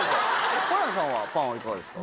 ホランさんはパンいかがですか。